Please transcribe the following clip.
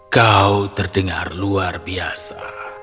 kau terdengar luar biasa